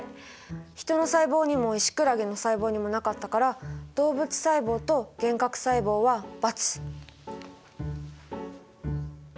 ヒトの細胞にもイシクラゲの細胞にもなかったから動物細胞と原核細胞はバツ。